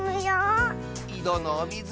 いどのおみず